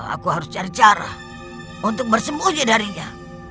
aku harus cari cara untuk bersembunyi darinya